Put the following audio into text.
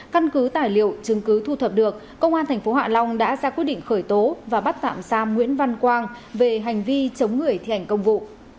căn cứ tài liệu chứng cứ thu thập được công an tp hạ long đã ra quyết định khởi tố và bắt tạm giam nguyễn văn quang về hành vi chống người thi hành công vụ